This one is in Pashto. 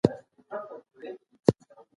د تورو رنګ په وخت سره بدلیږي.